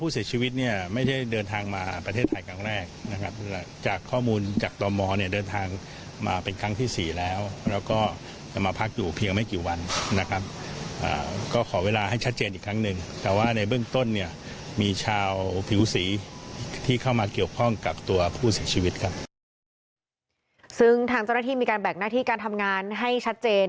ซึ่งทางเจ้าหน้าที่มีการแบ่งหน้าที่การทำงานให้ชัดเจน